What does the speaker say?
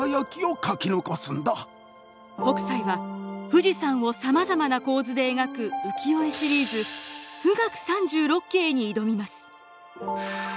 北斎は富士山をさまざまな構図で描く浮世絵シリーズ「冨嶽三十六景」に挑みます。